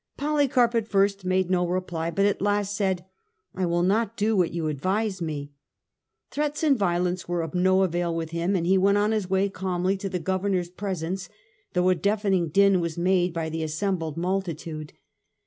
Polycarp at first made no reply, but at last said, ' I will not do what you advise me.' Threats and violence were of no avail with him, and he went on his way calmly to the governor's presence, though a deafening din was made by the assembled multitude.